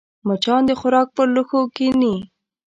مچان د خوراک پر لوښو کښېني